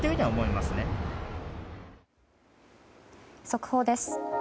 速報です。